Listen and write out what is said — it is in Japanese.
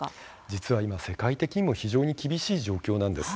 実は今、世界的にも非常に厳しい状況なんです。